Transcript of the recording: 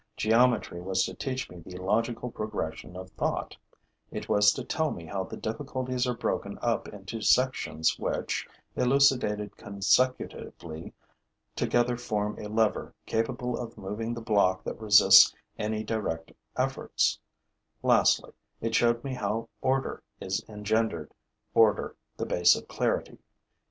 Geometry was to teach me the logical progression of thought; it was to tell me how the difficulties are broken up into sections which, elucidated consecutively, together form a lever capable of moving the block that resists any direct efforts; lastly, it showed me how order is engendered, order, the base of clarity.